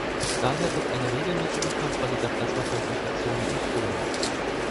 Daher wird eine regelmäßige Kontrolle der Plasmakonzentrationen empfohlen.